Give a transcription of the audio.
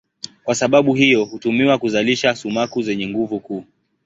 Kwa sababu hiyo hutumiwa kuzalisha sumaku zenye nguvu kuu.